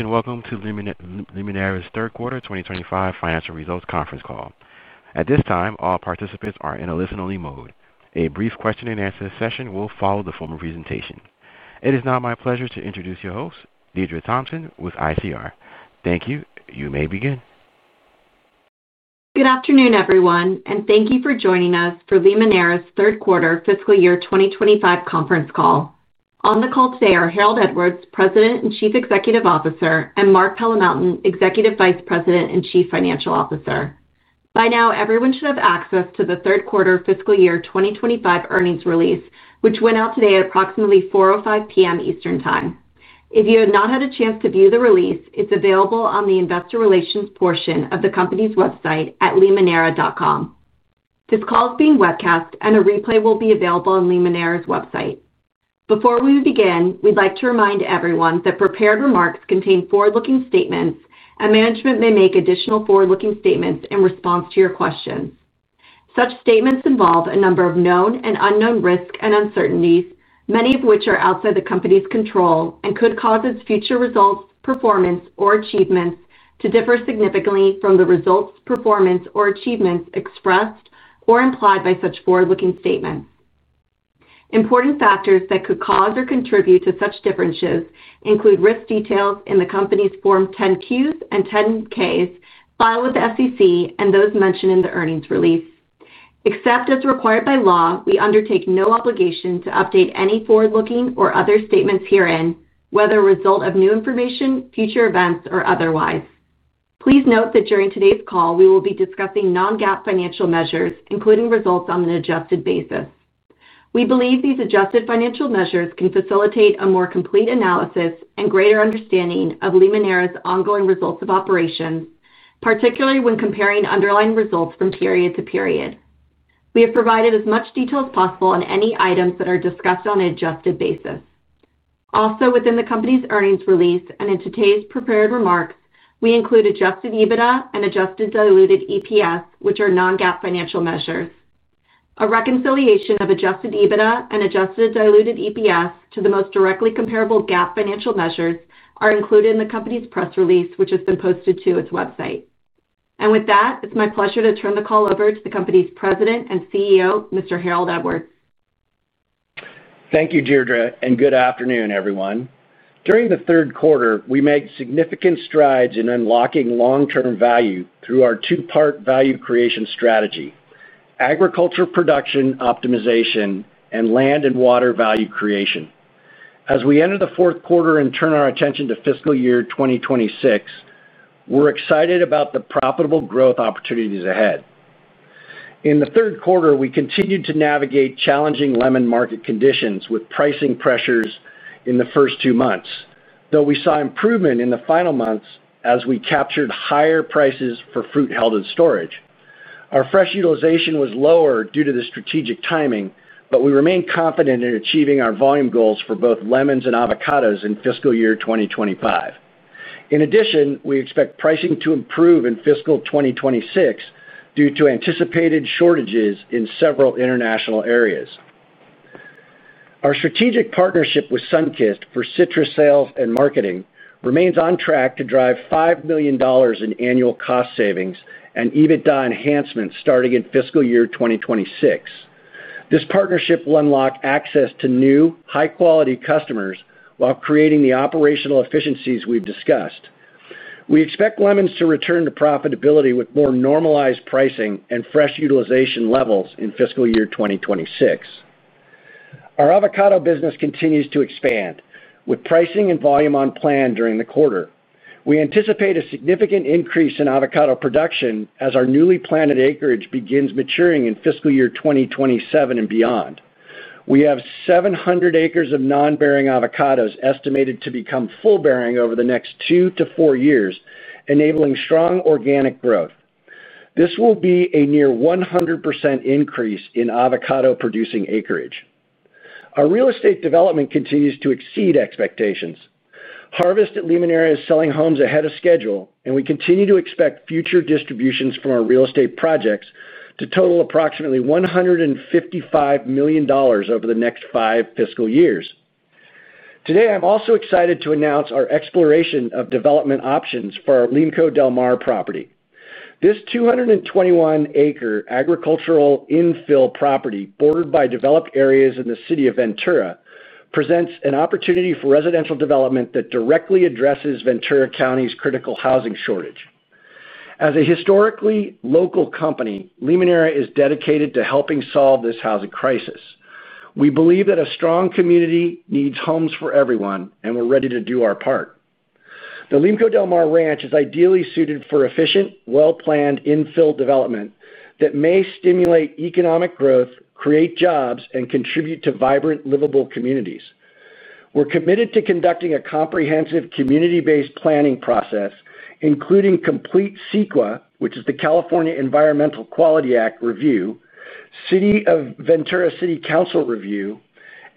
Welcome to Limoneira Company's third quarter 2025 financial results conference call. At this time, all participants are in a listen-only mode. A brief question and answer session will follow the formal presentation. It is now my pleasure to introduce your host, Deidra Thompson with ICR Inc. Thank you. You may begin. Good afternoon, everyone, and thank you for joining us for Limoneira's third quarter fiscal year 2025 conference call. On the call today are Harold Edwards, President and Chief Executive Officer, and Mark Palamountain, Executive Vice President and Chief Financial Officer. By now, everyone should have access to the third quarter fiscal year 2025 earnings release, which went out today at approximately 4:05 P.M. Eastern Time. If you have not had a chance to view the release, it's available on the investor relations portion of the company's website at limoneira.com. This call is being webcast, and a replay will be available on Limoneira's website. Before we begin, we'd like to remind everyone that prepared remarks contain forward-looking statements, and management may make additional forward-looking statements in response to your questions. Such statements involve a number of known and unknown risks and uncertainties, many of which are outside the company's control and could cause its future results, performance, or achievements to differ significantly from the results, performance, or achievements expressed or implied by such forward-looking statements. Important factors that could cause or contribute to such differences include risk details in the company's Form 10-Qs and 10-Ks, filed with the SEC, and those mentioned in the earnings release. Except as required by law, we undertake no obligation to update any forward-looking or other statements herein, whether a result of new information, future events, or otherwise. Please note that during today's call, we will be discussing non-GAAP financial measures, including results on an adjusted basis. We believe these adjusted financial measures can facilitate a more complete analysis and greater understanding of Limoneira's ongoing results of operations, particularly when comparing underlying results from period to period. We have provided as much detail as possible on any items that are discussed on an adjusted basis. Also, within the company's earnings release and in today's prepared remarks, we include adjusted EBITDA and adjusted diluted EPS, which are non-GAAP financial measures. A reconciliation of adjusted EBITDA and adjusted diluted EPS to the most directly comparable GAAP financial measures is included in the company's press release, which has been posted to its website. With that, it's my pleasure to turn the call over to the company's President and CEO, Mr. Harold Edwards. Thank you, Deidra, and good afternoon, everyone. During the third quarter, we made significant strides in unlocking long-term value through our two-part value creation strategy: agriculture production optimization and land and water value creation. As we enter the fourth quarter and turn our attention to fiscal year 2026, we're excited about the profitable growth opportunities ahead. In the third quarter, we continued to navigate challenging lemon market conditions with pricing pressures in the first two months, though we saw improvement in the final months as we captured higher prices for fruit held in storage. Our fresh utilization was lower due to the strategic timing, but we remain confident in achieving our volume goals for both lemons and avocados in fiscal year 2025. In addition, we expect pricing to improve in fiscal 2026 due to anticipated shortages in several international areas. Our strategic partnership with Sunkist for citrus sales and marketing remains on track to drive $5 million in annual cost savings and EBITDA enhancements starting in fiscal year 2026. This partnership will unlock access to new, high-quality customers while creating the operational efficiencies we've discussed. We expect lemons to return to profitability with more normalized pricing and fresh utilization levels in fiscal year 2026. Our avocado business continues to expand, with pricing and volume on plan during the quarter. We anticipate a significant increase in avocado production as our newly planted acreage begins maturing in fiscal year 2027 and beyond. We have 700 acres of non-bearing avocados estimated to become full bearing over the next two to four years, enabling strong organic growth. This will be a near 100% increase in avocado-producing acreage. Our real estate development continues to exceed expectations. Harvest at Limoneira is selling homes ahead of schedule, and we continue to expect future distributions from our real estate projects to total approximately $155 million over the next five fiscal years. Today, I'm also excited to announce our exploration of development options for our Linco del Mar property. This 221-acre agricultural infill property bordered by developed areas in the city of Ventura presents an opportunity for residential development that directly addresses Ventura County's critical housing shortage. As a historically local company, Limoneira is dedicated to helping solve this housing crisis. We believe that a strong community needs homes for everyone, and we're ready to do our part. The Linco del Mar ranch is ideally suited for efficient, well-planned infill development that may stimulate economic growth, create jobs, and contribute to vibrant, livable communities. We're committed to conducting a comprehensive community-based planning process, including complete CEQA, which is the California Environmental Quality Act review, City of Ventura City Council review,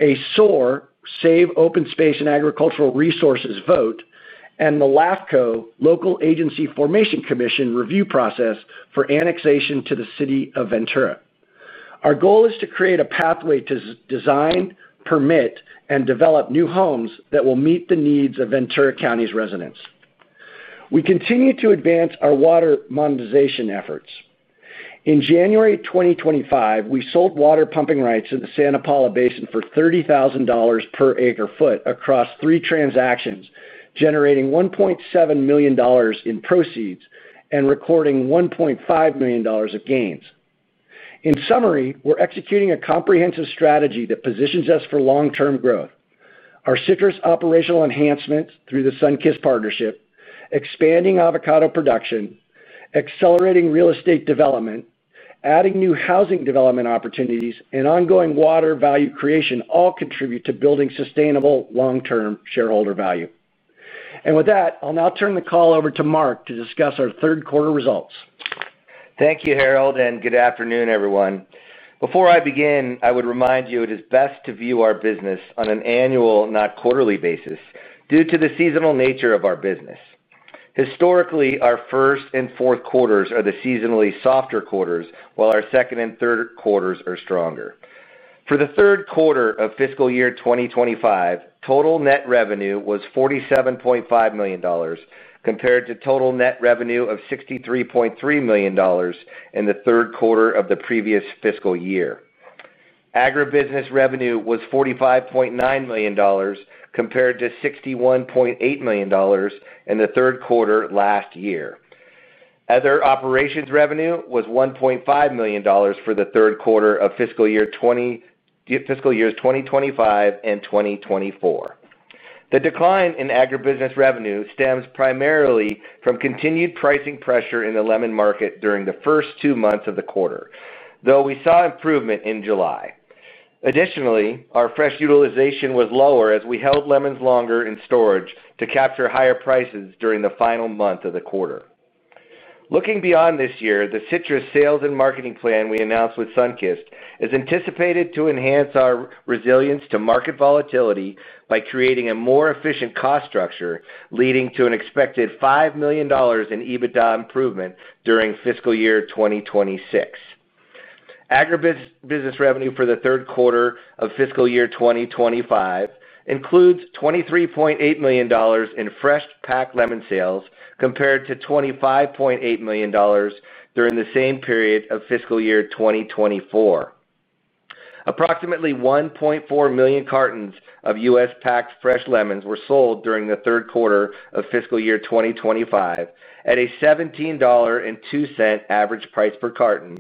a SOAR, Save Open Space and Agricultural Resources vote, and the LAFCO, Local Agency Formation Commission review process for annexation to the City of Ventura. Our goal is to create a pathway to design, permit, and develop new homes that will meet the needs of Ventura County's residents. We continue to advance our water monetization efforts. In January 2025, we sold water pumping rights in the Santa Paula Basin for $30,000 per acre foot across three transactions, generating $1.7 million in proceeds and recording $1.5 million of gains. In summary, we're executing a comprehensive strategy that positions us for long-term growth. Our citrus operational enhancements through the Sunkist partnership, expanding avocado production, accelerating real estate development, adding new housing development opportunities, and ongoing water value creation all contribute to building sustainable long-term shareholder value. I'll now turn the call over to Mark to discuss our third quarter results. Thank you, Harold, and good afternoon, everyone. Before I begin, I would remind you it is best to view our business on an annual, not quarterly, basis due to the seasonal nature of our business. Historically, our first and fourth quarters are the seasonally softer quarters, while our second and third quarters are stronger. For the third quarter of fiscal year 2025, total net revenue was $47.5 million compared to total net revenue of $63.3 million in the third quarter of the previous fiscal year. Agribusiness revenue was $45.9 million compared to $61.8 million in the third quarter last year. Other operations revenue was $1.5 million for the third quarter of fiscal years 2025 and 2024. The decline in agribusiness revenue stems primarily from continued pricing pressure in the lemon market during the first two months of the quarter, though we saw improvement in July. Additionally, our fresh utilization was lower as we held lemons longer in storage to capture higher prices during the final month of the quarter. Looking beyond this year, the citrus sales and marketing plan we announced with Sunkist is anticipated to enhance our resilience to market volatility by creating a more efficient cost structure, leading to an expected $5 million in EBITDA improvement during fiscal year 2026. Agribusiness revenue for the third quarter of fiscal year 2025 includes $23.8 million in fresh-packed lemon sales compared to $25.8 million during the same period of fiscal year 2024. Approximately 1.4 million cartons of U.S.-packed fresh lemons were sold during the third quarter of fiscal year 2025 at a $17.02 average price per carton,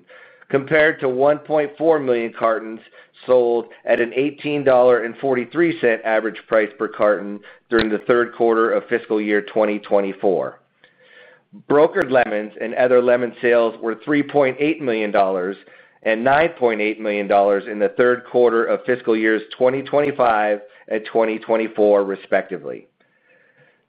compared to 1.4 million cartons sold at an $18.43 average price per carton during the third quarter of fiscal year 2024. Brokered lemons and other lemon sales were $3.8 million and $9.8 million in the third quarter of fiscal years 2025 and 2024, respectively.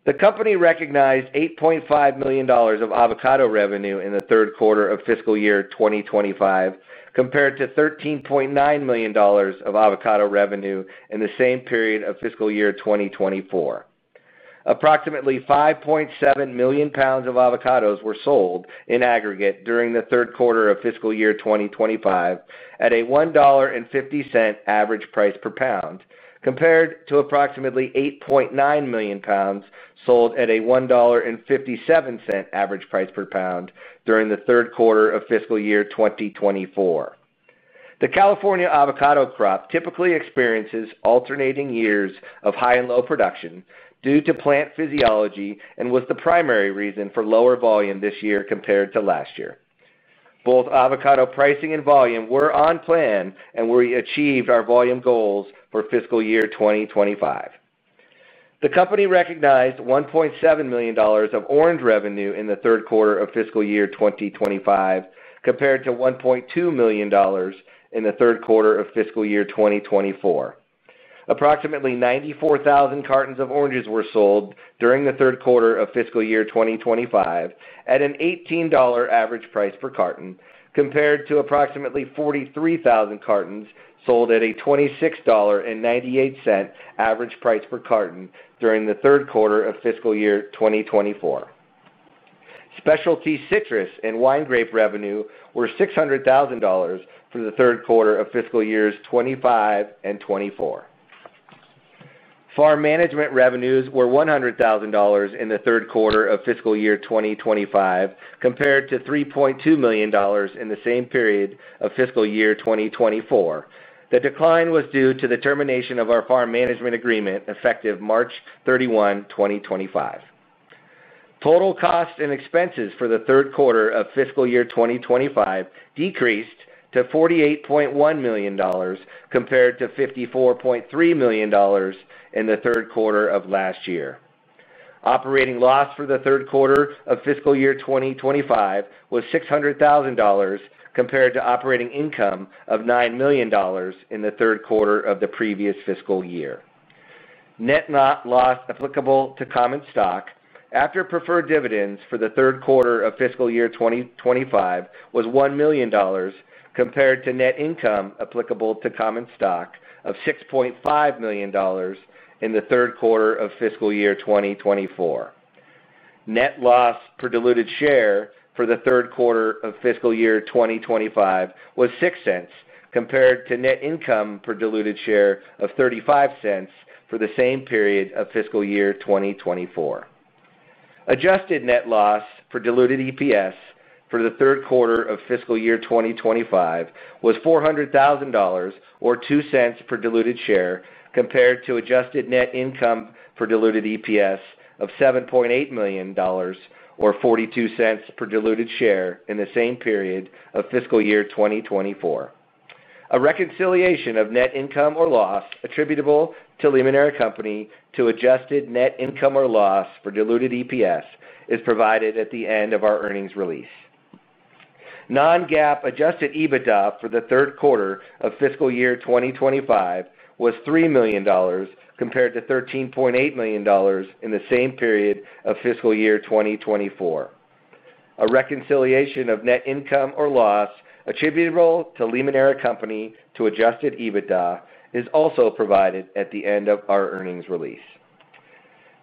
The company recognized $8.5 million of avocado revenue in the third quarter of fiscal year 2025, compared to $13.9 million of avocado revenue in the same period of fiscal year 2024. Approximately 5.7 million pounds of avocados were sold in aggregate during the third quarter of fiscal year 2025 at a $1.50 average price per pound, compared to approximately 8.9 million pounds sold at a $1.57 average price per pound during the third quarter of fiscal year 2024. The California avocado crop typically experiences alternating years of high and low production due to plant physiology and was the primary reason for lower volume this year compared to last year. Both avocado pricing and volume were on plan, and we achieved our volume goals for fiscal year 2025. The company recognized $1.7 million of orange revenue in the third quarter of fiscal year 2025, compared to $1.2 million in the third quarter of fiscal year 2024. Approximately 94,000 cartons of oranges were sold during the third quarter of fiscal year 2025 at an $18 average price per carton, compared to approximately 43,000 cartons sold at a $26.98 average price per carton during the third quarter of fiscal year 2024. Specialty citrus and wine grape revenue were $600,000 for the third quarter of fiscal years 2025 and 2024. Farm management revenues were $100,000 in the third quarter of fiscal year 2025, compared to $3.2 million in the same period of fiscal year 2024. The decline was due to the termination of our farm management agreement effective March 31, 2025. Total costs and expenses for the third quarter of fiscal year 2025 decreased to $48.1 million compared to $54.3 million in the third quarter of last year. Operating loss for the third quarter of fiscal year 2025 was $600,000 compared to operating income of $9 million in the third quarter of the previous fiscal year. Net loss applicable to common stock after preferred dividends for the third quarter of fiscal year 2025 was $1 million compared to net income applicable to common stock of $6.5 million in the third quarter of fiscal year 2024. Net loss per diluted share for the third quarter of fiscal year 2025 was $0.06 compared to net income per diluted share of $0.35 for the same period of fiscal year 2024. Adjusted net loss for diluted EPS for the third quarter of fiscal year 2025 was $400,000 or $0.02 per diluted share compared to adjusted net income per diluted EPS of $7.8 million or $0.42 per diluted share in the same period of fiscal year 2024. A reconciliation of net income or loss attributable to Limoneira Company to adjusted net income or loss for diluted EPS is provided at the end of our earnings release. Non-GAAP adjusted EBITDA for the third quarter of fiscal year 2025 was $3 million compared to $13.8 million in the same period of fiscal year 2024. A reconciliation of net income or loss attributable to Limoneira Company to adjusted EBITDA is also provided at the end of our earnings release.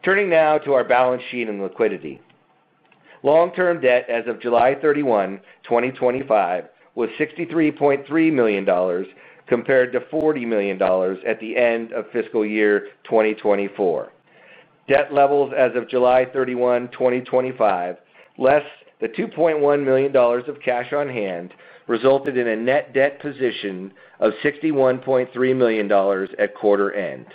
Turning now to our balance sheet and liquidity. Long-term debt as of July 31, 2025, was $63.3 million compared to $40 million at the end of fiscal year 2024. Debt levels as of July 31, 2025, less than $2.1 million of cash on hand, resulted in a net debt position of $61.3 million at quarter end.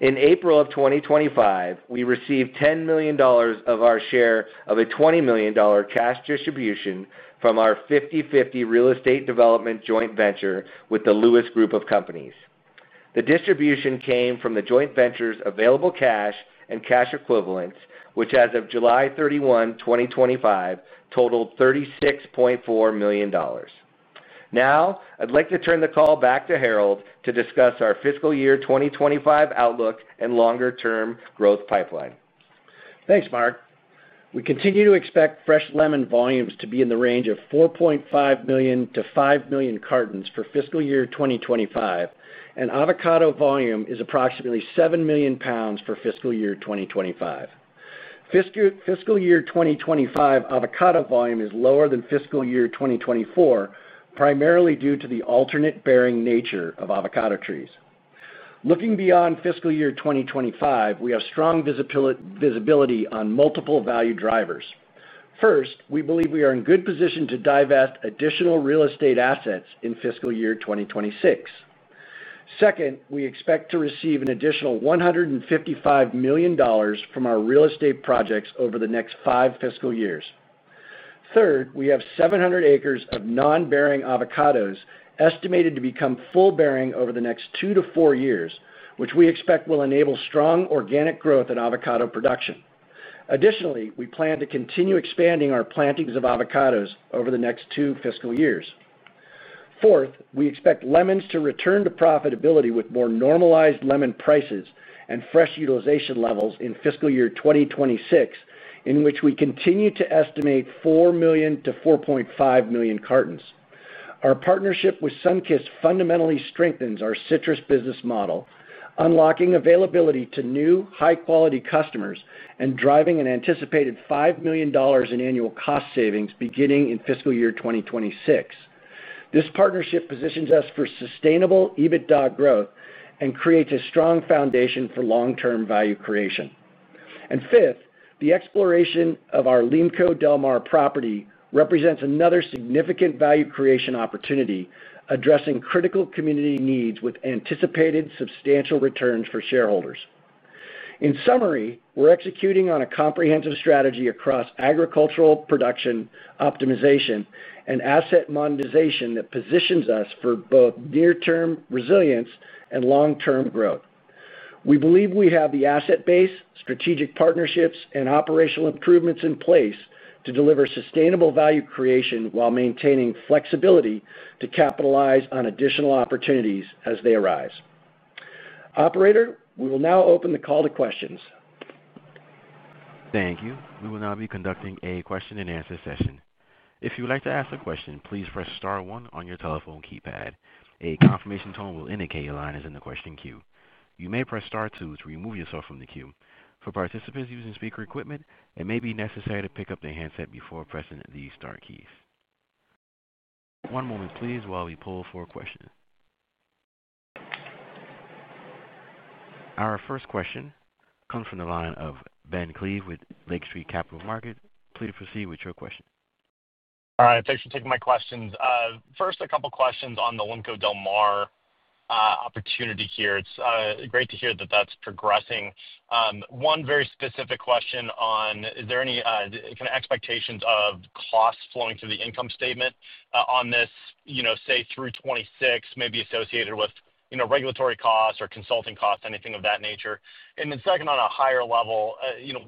In April of 2025, we received $10 million of our share of a $20 million cash distribution from our 50/50 real estate development joint venture with the Lewis Group of Companies. The distribution came from the joint venture's available cash and cash equivalents, which as of July 31, 2025, totaled $36.4 million. Now, I'd like to turn the call back to Harold to discuss our fiscal year 2025 outlook and longer-term growth pipeline. Thanks, Mark. We continue to expect fresh lemon volumes to be in the range of 4.5 million to 5 million cartons for fiscal year 2025, and avocado volume is approximately 7 million pounds for fiscal year 2025. Fiscal year 2025 avocado volume is lower than fiscal year 2024, primarily due to the alternate bearing nature of avocado trees. Looking beyond fiscal year 2025, we have strong visibility on multiple value drivers. First, we believe we are in good position to divest additional real estate assets in fiscal year 2026. Second, we expect to receive an additional $155 million from our real estate projects over the next five fiscal years. Third, we have 700 acres of non-bearing avocados estimated to become full bearing over the next two to four years, which we expect will enable strong organic growth in avocado production. Additionally, we plan to continue expanding our plantings of avocados over the next two fiscal years. Fourth, we expect lemons to return to profitability with more normalized lemon prices and fresh utilization levels in fiscal year 2026, in which we continue to estimate 4 million to 4.5 million cartons. Our partnership with Sunkist fundamentally strengthens our citrus business model, unlocking availability to new, high-quality customers and driving an anticipated $5 million in annual cost savings beginning in fiscal year 2026. This partnership positions us for sustainable EBITDA growth and creates a strong foundation for long-term value creation. Fifth, the exploration of our Linco del Mar property represents another significant value creation opportunity, addressing critical community needs with anticipated substantial returns for shareholders. In summary, we're executing on a comprehensive strategy across agricultural production optimization and asset monetization that positions us for both near-term resilience and long-term growth. We believe we have the asset base, strategic partnerships, and operational improvements in place to deliver sustainable value creation while maintaining flexibility to capitalize on additional opportunities as they arise. Operator, we will now open the call to questions. Thank you. We will now be conducting a question and answer session. If you would like to ask a question, please press star one on your telephone keypad. A confirmation tone will indicate your line is in the question queue. You may press star two to remove yourself from the queue. For participants using speaker equipment, it may be necessary to pick up the headset before pressing the star keys. One moment, please, while we poll for questions. Our first question comes from the line of Benjamin David Klieve with Lake Street Capital Markets. Please proceed with your question. All right, thanks for taking my questions. First, a couple of questions on the Linco del Mar opportunity here. It's great to hear that that's progressing. One very specific question, is there any kind of expectations of costs flowing through the income statement on this, say through 2026, maybe associated with regulatory costs or consulting costs, anything of that nature? Second, on a higher level,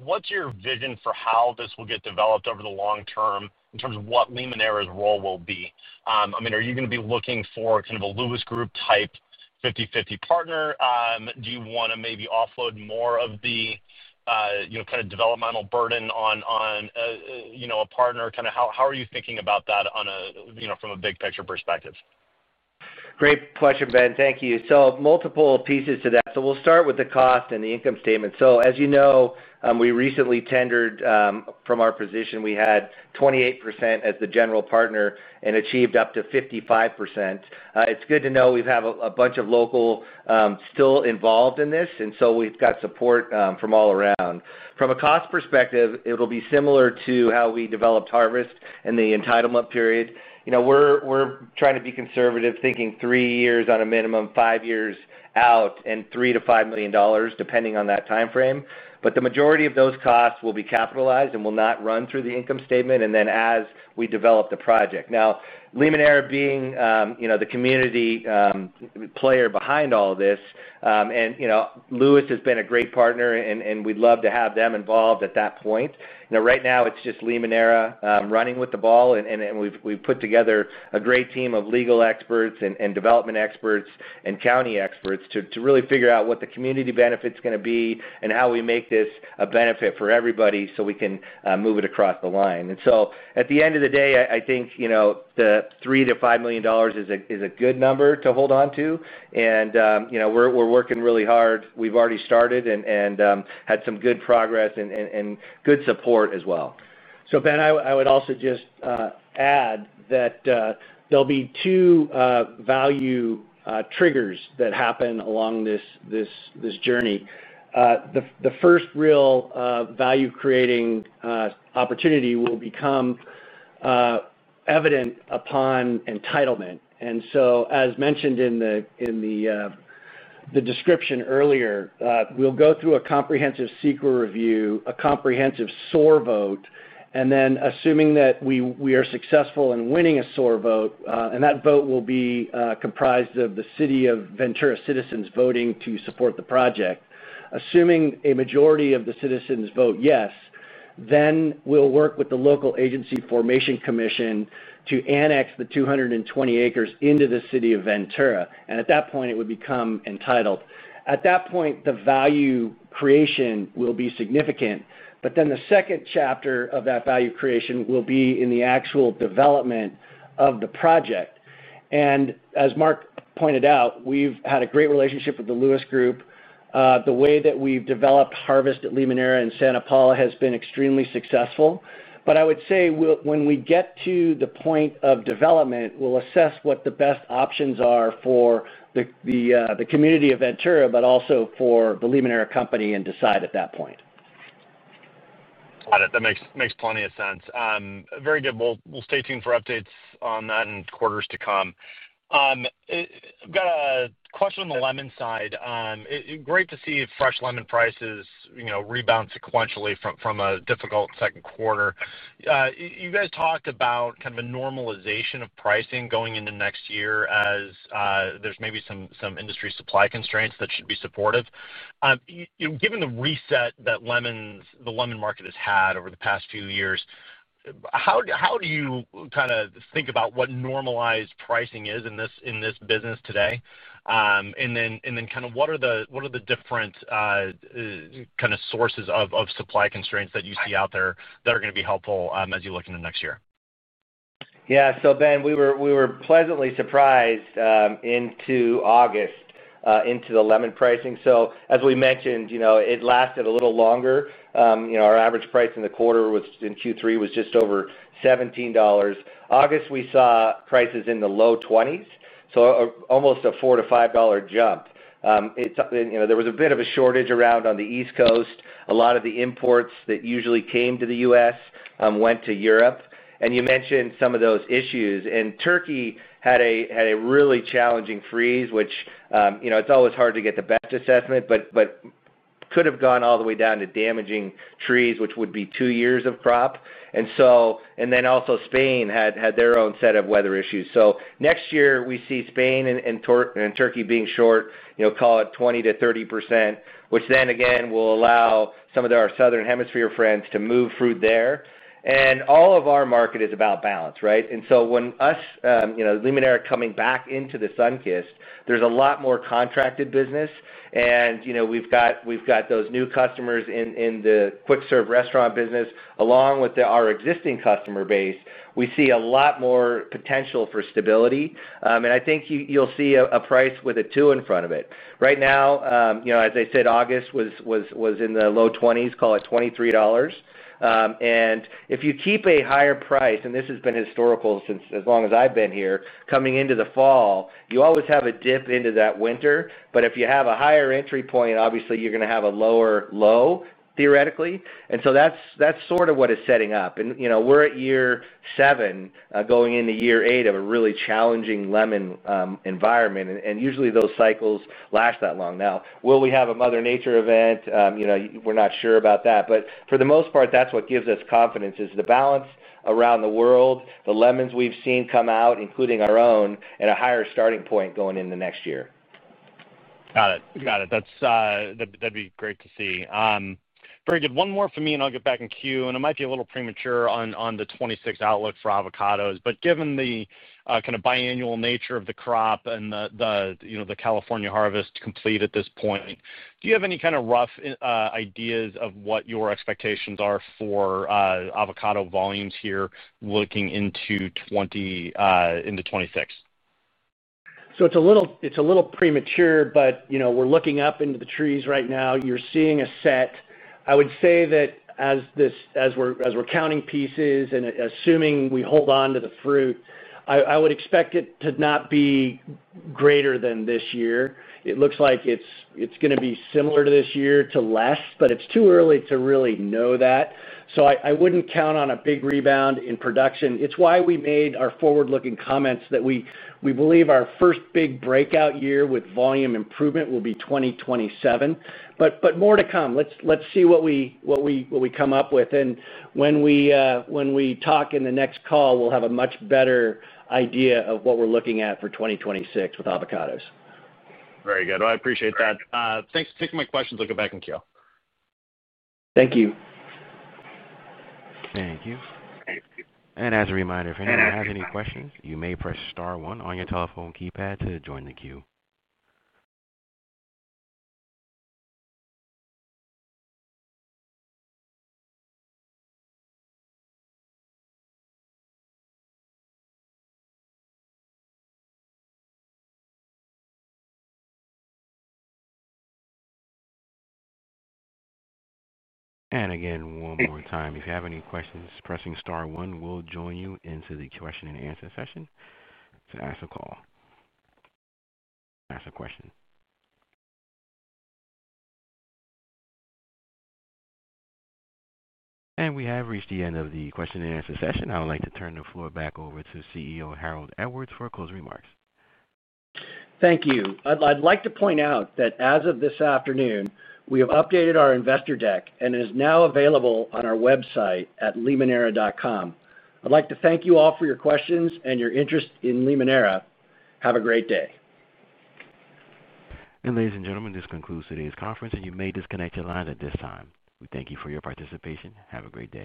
what's your vision for how this will get developed over the long term in terms of what Limoneira's role will be? I mean, are you going to be looking for kind of a Lewis Group type 50/50 partner? Do you want to maybe offload more of the developmental burden on a partner? How are you thinking about that from a big picture perspective? Great question, Ben. Thank you. Multiple pieces to that. We'll start with the cost and the income statement. As you know, we recently tendered from our position, we had 28% as the general partner and achieved up to 55%. It's good to know we have a bunch of local still involved in this, and we've got support from all around. From a cost perspective, it'll be similar to how we developed Harvest at Limoneira in the entitlement period. We're trying to be conservative, thinking three years on a minimum, five years out, and $3 to $5 million depending on that timeframe. The majority of those costs will be capitalized and will not run through the income statement as we develop the project. Now, Limoneira being the community player behind all of this, and Lewis has been a great partner and we'd love to have them involved at that point. Right now it's just Limoneira running with the ball, and we've put together a great team of legal experts and development experts and county experts to really figure out what the community benefit's going to be and how we make this a benefit for everybody so we can move it across the line. At the end of the day, I think the $3 to $5 million is a good number to hold on to, and we're working really hard. We've already started and had some good progress and good support as well. Ben, I would also just add that there'll be two value triggers that happen along this journey. The first real value-creating opportunity will become evident upon entitlement. As mentioned in the description earlier, we'll go through a comprehensive CEQA review, a comprehensive SOAR vote, and then assuming that we are successful in winning a SOAR vote, that vote will be comprised of the City of Ventura citizens voting to support the project. Assuming a majority of the citizens vote yes, we'll work with the Local Agency Formation Commission to annex the 221 acres into the City of Ventura, and at that point, it would become entitled. At that point, the value creation will be significant. The second chapter of that value creation will be in the actual development of the project. As Mark pointed out, we've had a great relationship with the Lewis Group. The way that we've developed Harvest at Limoneira in Santa Paula has been extremely successful. When we get to the point of development, we'll assess what the best options are for the community of Ventura, but also for the Limoneira Company and decide at that point. Got it. That makes plenty of sense. Very good. We'll stay tuned for updates on that in quarters to come. I've got a question on the lemon side. Great to see fresh lemon prices rebound sequentially from a difficult second quarter. You guys talked about kind of a normalization of pricing going into next year as there's maybe some industry supply constraints that should be supportive. Given the reset that the lemon market has had over the past few years, how do you kind of think about what normalized pricing is in this business today? What are the different sources of supply constraints that you see out there that are going to be helpful as you look into next year? Yeah, Ben, we were pleasantly surprised into August, into the lemon pricing. As we mentioned, it lasted a little longer. Our average price in the quarter in Q3 was just over $17. August, we saw prices in the low $20s, so almost a $4 to $5 jump. There was a bit of a shortage around on the East Coast. A lot of the imports that usually came to the U.S. went to Europe. You mentioned some of those issues. Turkey had a really challenging freeze, which, it's always hard to get the best assessment, but could have gone all the way down to damaging trees, which would be two years of crop. Also, Spain had their own set of weather issues. Next year we see Spain and Turkey being short, call it 20% to 30%, which then again will allow some of our southern hemisphere friends to move fruit there. All of our market is about balance, right? When us, Limoneira Company, coming back into the Sunkist, there's a lot more contracted business. We've got those new customers in the quick-serve restaurant business, along with our existing customer base, we see a lot more potential for stability. I think you'll see a price with a two in front of it. Right now, as I said, August was in the low $20s, call it $23. If you keep a higher price, and this has been historical since as long as I've been here, coming into the fall, you always have a dip into that winter. If you have a higher entry point, obviously you're going to have a lower low, theoretically. That's sort of what is setting up. We're at year seven, going into year eight of a really challenging lemon environment. Usually those cycles last that long. Now, will we have a Mother Nature event? We're not sure about that. For the most part, that's what gives us confidence is the balance around the world, the lemons we've seen come out, including our own, and a higher starting point going into next year. Got it. That'd be great to see. Very good. One more for me, and I'll get back in queue. It might be a little premature on the 2026 outlook for avocados, but given the kind of biannual nature of the crop and the California harvest complete at this point, do you have any kind of rough ideas of what your expectations are for avocado volumes here looking into 2026? It's a little premature, but you know, we're looking up into the trees right now. You're seeing a set. I would say that as we're counting pieces and assuming we hold on to the fruit, I would expect it to not be greater than this year. It looks like it's going to be similar to this year to less, but it's too early to really know that. I wouldn't count on a big rebound in production. It's why we made our forward-looking comments that we believe our first big breakout year with volume improvement will be 2027. More to come. Let's see what we come up with. When we talk in the next call, we'll have a much better idea of what we're looking at for 2026 with avocados. Very good. I appreciate that. Thanks for taking my questions. I'll get back in queue. Thank you. Thank you. As a reminder, if anyone has any questions, you may press star one on your telephone keypad to join the queue. Again, if you have any questions, pressing star one will join you into the question and answer session to ask a question. We have reached the end of the question and answer session. I would like to turn the floor back over to CEO Harold Edwards for closing remarks. Thank you. I'd like to point out that as of this afternoon, we have updated our investor deck and it is now available on our website at limoneira.com. I'd like to thank you all for your questions and your interest in Limoneira. Have a great day. Ladies and gentlemen, this concludes today's conference. You may disconnect your line at this time. We thank you for your participation. Have a great day.